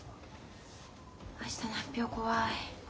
明日の発表怖い。